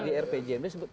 di rpjmd sebut